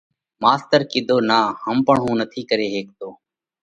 ماستر ڪِيڌو: نا هم پڻ هُون نٿِي ڪري هيڪتو۔